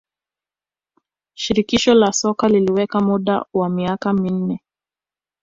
shirikisho la soka liliweka muda wa miaka minne